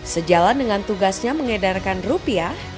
sejalan dengan tugasnya mengedarkan rupiah